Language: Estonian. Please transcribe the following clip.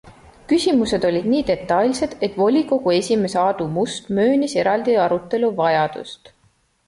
Küsimused olid nii detailsed, et volikogu esimees Aadu Must möönis eraldi arutelu vajadust.